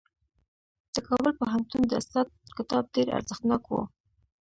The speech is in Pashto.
د کابل پوهنتون د استاد کتاب ډېر ارزښتناک و.